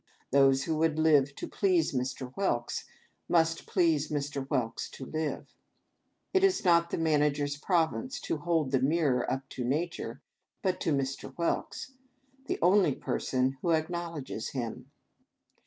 Those who would live to please Mr. Whelks, must please Mr. Whelks to live. It is not the Manager's province to hold the Mirror up to Nature, but to Mr. Whelks — the only per son who acknowledges him.